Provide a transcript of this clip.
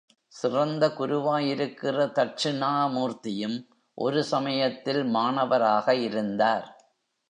சிறந்த குருவாய் இருக்கிற தட்சிணாமூர்த்தியும் ஒரு சமயத்தில் மாணவராக இருந்தார்.